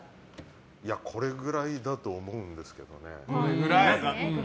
これくらいだと思うんですけどね。